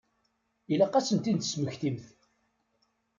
Ilaq ad ten-id-tesmektimt.